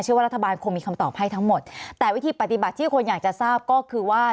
ว่ารัฐบาลคงมีคำตอบให้ทั้งหมดแต่วิธีปฏิบัติที่คนอยากจะทราบก็คือว่า